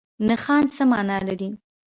نښان څه مانا لري؟